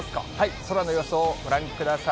空の様子をご覧ください。